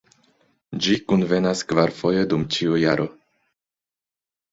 Ĝi kunvenas kvarfoje dum ĉiu jaro.